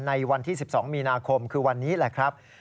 ในวันที่๑๒มีนาคมคือวันนี้แหละครับ